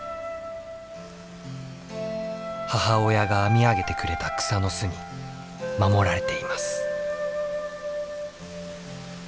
母親が編み上げてくれた草の巣に守られています。